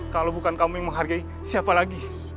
kalau bukan kamu yang menghargai siapa lagi